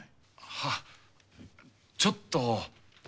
はぁちょっと。